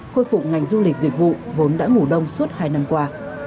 khôi phục ngành du lịch dịch vụ vốn đã ngủ đông suốt hai năm qua